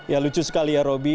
ya lucu sekali ya roby